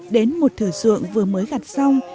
đến một thử dụng vừa mới gặt xong